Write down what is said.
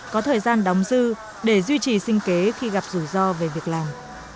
có thời gian đóng dư để duy trì sinh kế khi gặp rủi ro về việc làm